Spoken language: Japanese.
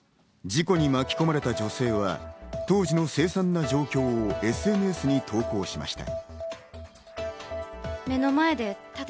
事故に巻き込まれた女性は当時のせい惨な状況をＳＮＳに投稿しました。